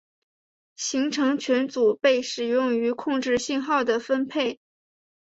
行程群组被使用于控制信号的分配。